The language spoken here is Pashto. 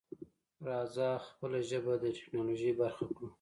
راځه خپله ژبه د ټکنالوژۍ برخه کړو.